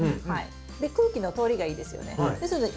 で空気の通りがいいですよね。